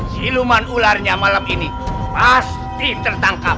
siluman ularnya malam ini pasti tertangkap